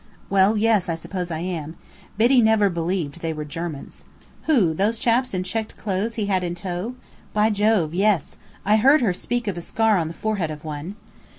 "Well, yes, I suppose I am. Biddy never believed they were Germans." "Who, those chaps in checked clothes he had in tow? By Jove! yes I heard her speak of a scar on the forehead of one."